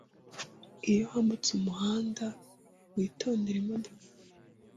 Iyo wambutse umuhanda, witondere imodoka.